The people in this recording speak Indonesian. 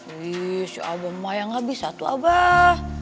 wih si abah mayang gak bisa tuh abah